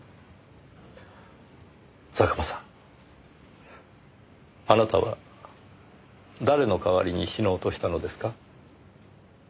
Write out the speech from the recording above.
佐久間さんあなたは誰の代わりに死のうとしたのですか？